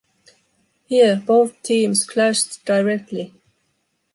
Here, both teams clashed directly.